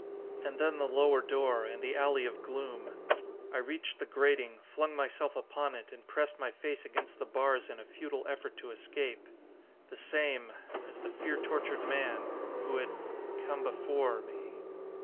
And then the lower door, and the alley of gloom. I reached the grating, flung myself upon it and pressed my face against the bars in a futile effort to escape. The same as the fear tortured man who had come before me.